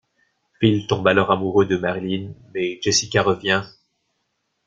Phil tombe alors amoureux de Marilyn mais Jessica revient...